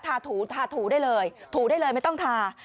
ทาถูได้เลยถูได้เลยไม่ต้องทา